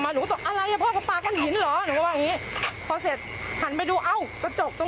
หรือว่าไม่มีเด็กอยู่